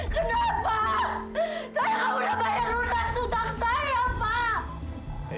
saya tidak membayar hutang hutang saya pak